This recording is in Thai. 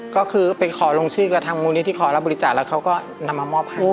ก็คือไปขอลงชื่อกับทางมูลนิธิขอรับบริจาคแล้วเขาก็นำมามอบให้